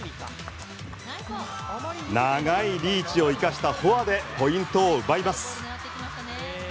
長いリーチを生かしたフォアでポイントを奪います。